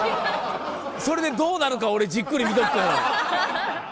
それでどうなるか俺じっくり見とくから。